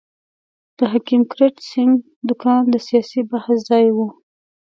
د حکیم کرت سېنګ دوکان د سیاسي بحث ځای وو.